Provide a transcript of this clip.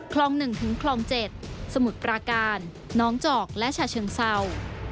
คลอง๑ถึงคลอง๗สมุทรปราการน้องจอกและชาเชิงเศร้า